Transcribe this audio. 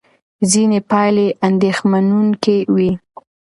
ځینې پایلې اندېښمنوونکې وې.